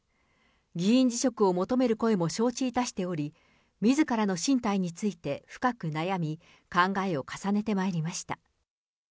議員辞職を求める声も承知いたしており、みずからの進退について深く悩み、考えを重ねてまいりました。